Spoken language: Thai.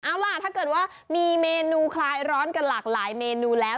เอาล่ะถ้าเกิดว่ามีเมนูคลายร้อนกันหลากหลายเมนูแล้ว